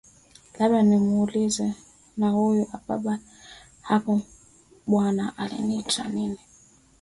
labda ni nimuulize na huyu baba hapa bwana unitwa nini